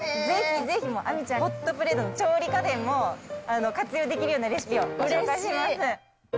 ぜひぜひもう、亜美ちゃん、ホットプレートも調理家電も活用できるようなレシピを紹介します。